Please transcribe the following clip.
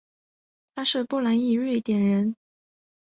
他是波兰裔瑞典人。